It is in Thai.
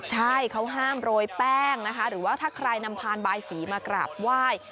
ใช่เขาห้ามโรยแป้งนะคะหรือว่าถ้าใครนำพานบายสีมากราบไหว้